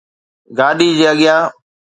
گاڏي جي اڳيان